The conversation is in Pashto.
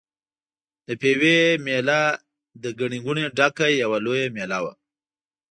د پېوې مېله له ګڼې ګوڼې ډکه یوه لویه مېله وه.